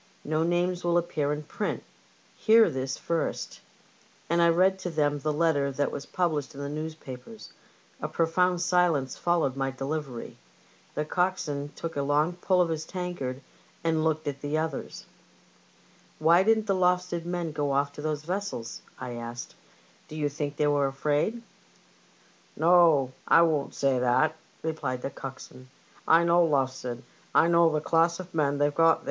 No names will appear in print. Hear this first ;" and I read to them the letter that was published in the newspapers. A profound silence followed my delivery; the coxswain took a long pull at his tankard and looked at the others. " Why didn't the Lowestoft men go off to those vessels ?" I asked. '* Do you think they were afraid ?"*' No, I won't say that," replied the coxswain. " I know Lowestoft; I know the class of men they've got 168 LIFEBOATS AND THEIR CBEW8.